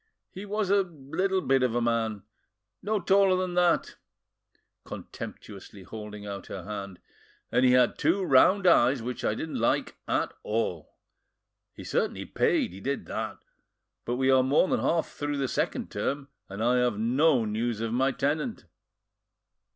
He was a little bit of a man, no taller than that,"—contemptuously holding out her hand,—"and he had two round eyes which I didn't like at, all. He certainly paid, he did that, but we are more than half through the second term and I have no news of my tenant."